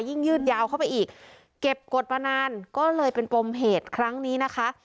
ยืดยาวเข้าไปอีกเก็บกฎมานานก็เลยเป็นปมเหตุครั้งนี้นะคะ